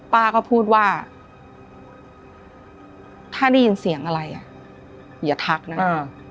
ป้าก็พูดว่าถ้าได้ยินเสียงอะไรอ่ะอย่าทักนะอ่า